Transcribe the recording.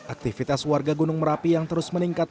aktivitas warga gunung merapi yang terus meningkat